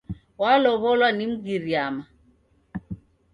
Wolow'olwa ni Mgiriama.